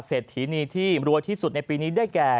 เศรษฐีนีที่รวยที่สุดในปีนี้ได้แก่